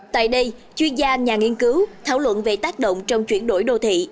tại đây chuyên gia nhà nghiên cứu thảo luận về tác động trong chuyển đổi đô thị